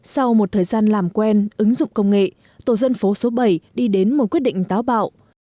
sau một thời gian làm quen ứng dụng công nghệ tổ dân phố số bảy đi đến một quyết định táo bạo